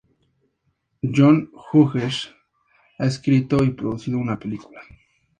John Hughes ha escrito y producido la película.